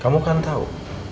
kamu kan tau